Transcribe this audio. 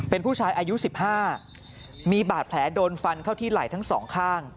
เป็นผู้ชายอายุ๑๕มีบาดแผลโดนฟันเข้าที่ไหล่ทั้งสองข้าง